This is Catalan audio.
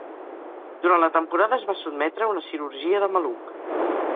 Durant la temporada es va sotmetre a una cirurgia de maluc.